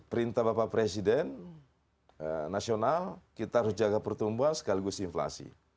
perintah bapak presiden nasional kita harus jaga pertumbuhan sekaligus inflasi